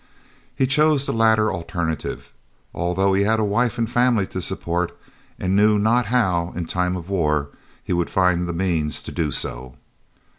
He chose the latter alternative, although he had a wife and family to support and knew not how, in time of war, he would find the means to do so.